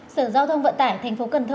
sở giao thông vận tải tp cn